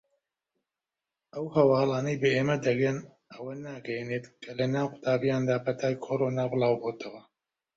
ئەو هەواڵانەی بە ئێمە دەگەن ئەوە ناگەیەنێت کە لەناو قوتابییاندا پەتای کۆرۆنا بڵاوبۆتەوە.